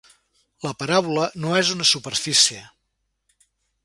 La paràbola no és una superfície.